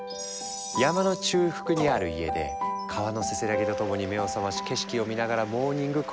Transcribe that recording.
山の中腹にある家で川のせせらぎとともに目を覚まし景色を見ながらモーニングコーヒー。